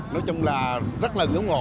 nói chung là rất là ủng hộ